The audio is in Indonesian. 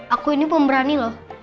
aku ini pemberani loh